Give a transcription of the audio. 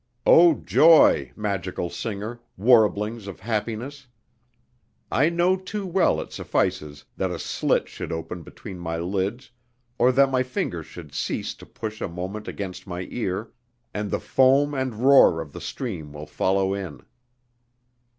O Joy! magical singer, warblings of happiness! I know too well it suffices that a slit should open between my lids or that my finger should cease to push a moment against my ear, and the foam and roar of the stream will follow in.